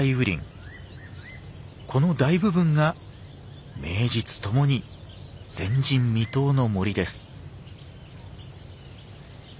この大部分が名実ともに前人未踏の森です。